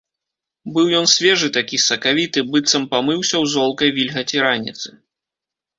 Быў ён свежы такі, сакавіты, быццам памыўся ў золкай вільгаці раніцы.